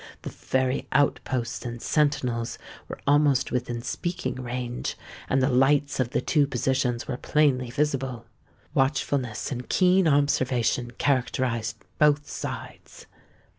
The very outposts and sentinels were almost within speaking range; and the lights of the two positions were plainly visible. Watchfulness and keen observation characterised both sides.